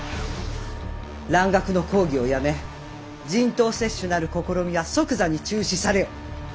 蘭学の講義をやめ人痘接種なる試みは即座に中止されよ！